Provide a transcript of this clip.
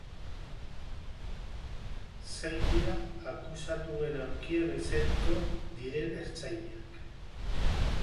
Sei dira akusatuen aulkian eseriko diren ertzainak.